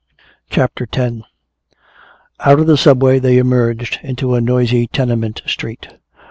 CHAPTER X Out of the subway they emerged into a noisy tenement street.